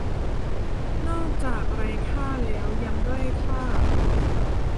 นอกจากไร้ค่าแล้วยังด้อยค่า